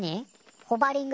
ホバリング？